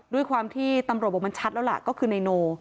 ด้วยความที่ตำรวจบอกมันชัดแล้วล่ะก็คือนายโน